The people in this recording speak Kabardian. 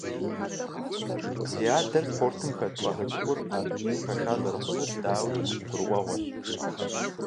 Зи адэр спортым хэт щӏалэ цӏыкӏур а дунейм хэша зэрыхъунур, дауи, гурыӏуэгъуэщ.